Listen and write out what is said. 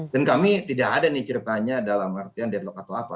dan kami tidak ada nih ceritanya dalam artian deadlock atau apa